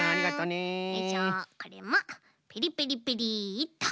これもペリペリペリと。